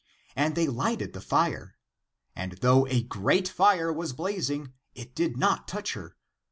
And they lighted the fire. And though a great fire was blazing, it did not touch her.